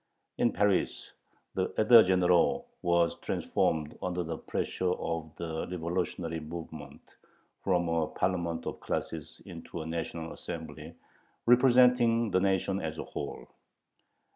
In Paris the états généraux were transformed, under the pressure of the revolutionary movement, from a parliament of classes into a national assembly representing the nation as a whole.